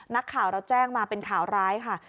นักข่าวเราแจ้งมาเป็นข่าวร้ายค่ะ